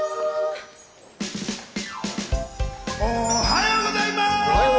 おはようございます！